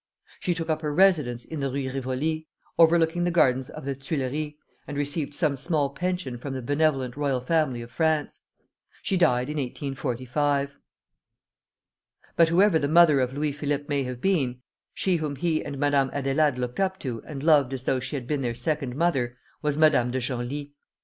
She took up her residence in the Rue Rivoli, overlooking the gardens of the Tuileries, and received some small pension from the benevolent royal family of France. She died in 1845. But whoever the mother of Louis Philippe may have been, she whom he and Madame Adélaide looked up to and loved as though she had been their second mother, was Madame de Genlis.